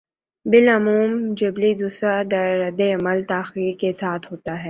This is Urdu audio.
بالعموم جبلّی دوسرا رد عمل تاخیر کے ساتھ ہوتا ہے۔